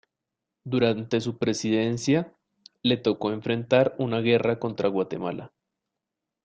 Durante su presidencia, le tocó enfrentar una guerra contra Guatemala.